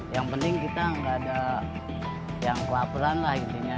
yang penting kita enggak ada yang kelaparan lah intinya